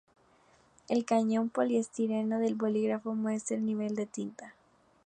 El cañón de poliestireno del bolígrafo muestra el nivel de tinta.